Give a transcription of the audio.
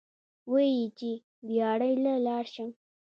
وې ئې چې " دیاړۍ له لاړ شم ـ